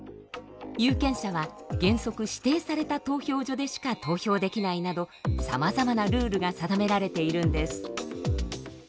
有権者は原則指定された投票所でしか投票できないなどさまざまなルールが定められているんです。